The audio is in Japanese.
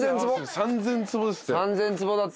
３，０００坪だって。